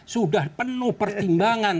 sudah penuh pertimbangan